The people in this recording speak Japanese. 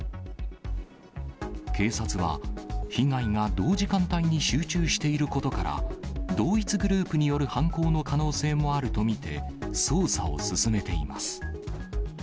警察は、被害が同時間帯に集中していることから、同一グループによる犯行の可能性もあると見て、捜査を進めています。